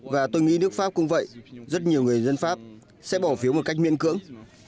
và tôi nghĩ nước pháp cũng vậy rất nhiều người dân pháp sẽ bỏ phiếu một cách miên cưỡng